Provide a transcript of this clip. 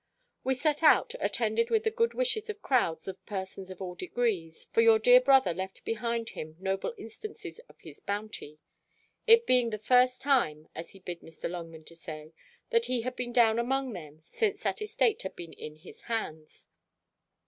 We set out, attended with the good wishes of crowds of persons of all degrees; for your dear brother left behind him noble instances of his bounty; it being the first time, as he bid Mr. Longman say, that he had been down among them since that estate had been in his hands.